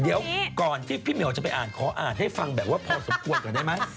เดี๋ยวก่อนที่พี่เหมียวจะไปอ่านขออ่านให้ฟังแบบว่าพอสมควรก่อนได้ไหม